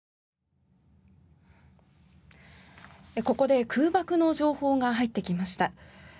ここで空爆の情報が入ってきました。